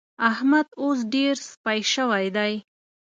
احمد اوس ډېر سپي شوی دی.